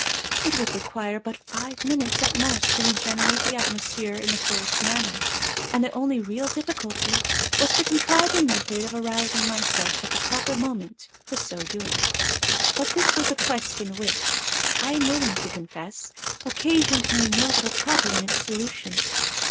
It would require but five minutes at most to regenerate the atmosphere in the fullest manner, and the only real difficulty was to contrive a method of arousing myself at the proper moment for so doing. But this was a question which, I am willing to confess, occasioned me no little trouble in its solution.